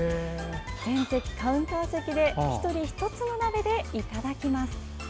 全席カウンター席で１人１つの鍋でいただきます。